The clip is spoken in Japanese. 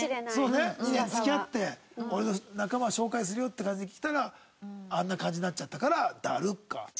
２年付き合って俺の仲間を紹介するよって感じで来たらあんな感じになっちゃったから「だるっ」か。